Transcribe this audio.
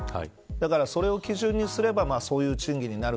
だから、それを基準にすればそういう賃金になる。